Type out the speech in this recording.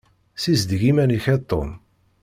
Ssizdeg iman-ik a Tom.